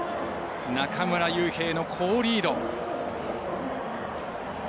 中村悠平の好リード。